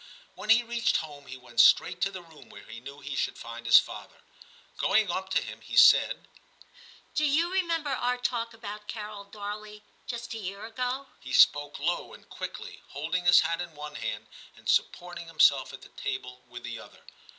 When he reached home he went straight to the room where he knew he should find his father. Going up to him, he said, ' Do you remember our talk about Carol Darley, just a year ago ?* He spoke low and quickly, holding his hat in one hand and supporting himself at the table with the other.